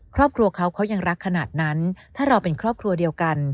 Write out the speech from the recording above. ครอบครัวเขาเขายังรักขนาดนั้นถ้าเราเป็นครอบครัวเดียวกัน